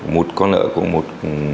một con nợ của một